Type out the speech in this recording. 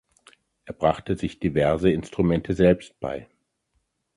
Er brachte sich diverse Instrumente selbst bei.